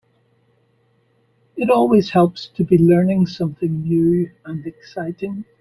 It always helps to be learning something new and exciting.